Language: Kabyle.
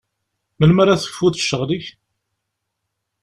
Melmi ara tekfuḍ ccɣel-ik?